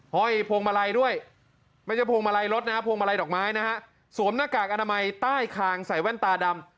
ห้อยพวงมาลัยด้วยไม่ใช่พวงมาลัยรถนะฮะพวงมาลัยดอกไม้นะฮะสวมหน้ากากอนามัยใต้คางใส่แว่นตาดำ